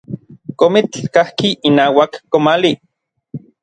Komitl kajki inauak komali.